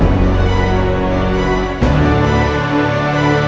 untuk selamatos mensyukur